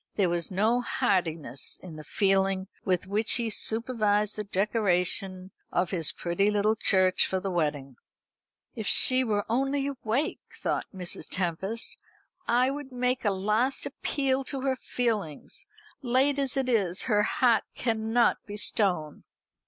There was no heartiness in the feeling with which he supervised the decoration of his pretty tittle church for the wedding. "If she were only awake," thought Mrs. Tempest, "I would make a last appeal to her feelings, late as it is. Her heart cannot be stone."